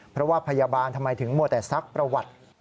เพราะว่าพยาบาลทำไมถึงมัวแต่ซักประวัติ